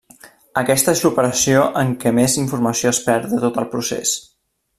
Aquesta és l'operació en què més informació es perd de tot el procés.